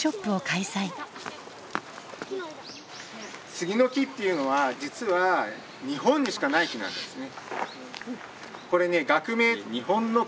杉の木っていうのは実は日本にしかない木なんですね。